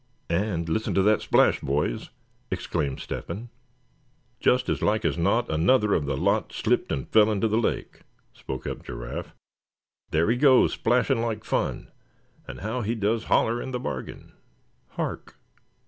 "And listen to that splash, boys!" exclaimed Step hen. "Just as like as not another of the lot slipped and fell into the lake;" spoke up Giraffe, "there he goes splashing like fun, and how he does holler in the bargain!" "Hark!